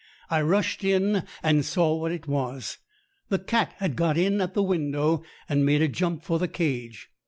I rushed in and saw what it was. The cat had got in at the window, and made a jump for the cage.